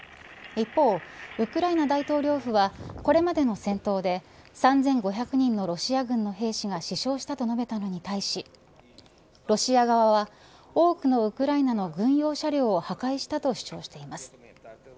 一方、ウクライナ大統領府はこれまでの戦闘で３５００人のロシア軍の兵士が死傷したと述べたのに対しロシア側は、多くのウクライナの軍用車両を破壊したと主張しています。